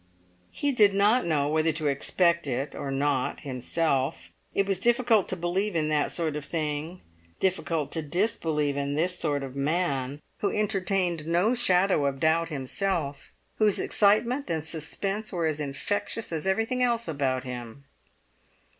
He did not know whether to expect it or not himself. It was difficult to believe in that sort of thing, difficult to disbelieve in this sort of man, who entertained no shadow of doubt himself, whose excitement and suspense were as infectious as everything else about him.